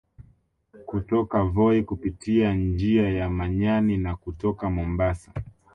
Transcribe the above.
Kutoka Voi kupitia njia ya Manyani na kutoka Mombasa